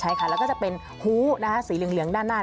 ใช่ค่ะแล้วก็จะเป็นฮูนะคะสีเหลืองด้านหน้า